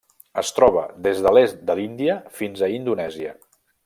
Es troba des de l'est de l'Índia fins a Indonèsia.